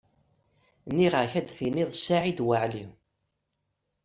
Nniɣ-ak ad thenniḍ Saɛid Waɛli.